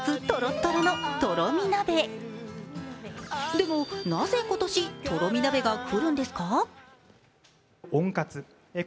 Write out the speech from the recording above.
でも、なぜ今年、とろみ鍋がくるんですか？